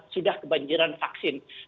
sudah kebanjiran vaksin